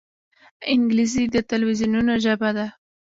انګلیسي د تلویزونونو ژبه ده